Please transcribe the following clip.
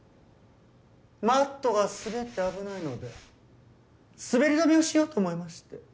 マットが滑って危ないので滑り止めをしようと思いまして。